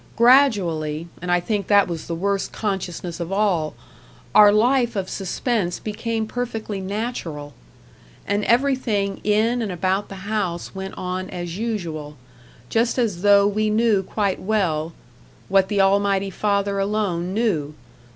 Gradually, and I think that was the worst consciousness of all, our life of suspense became perfectly natural; and everything in and about the house went on as usual, just as though we knew quite well what the Almighty Father alone knew!